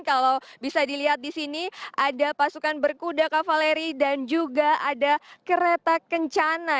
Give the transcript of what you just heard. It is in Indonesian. kalau bisa dilihat di sini ada pasukan berkuda kavaleri dan juga ada kereta kencana